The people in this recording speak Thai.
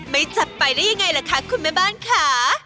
ไม่จับไปได้ยังไงล่ะคะคุณแม่บ้านค่ะ